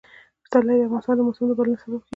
پسرلی د افغانستان د موسم د بدلون سبب کېږي.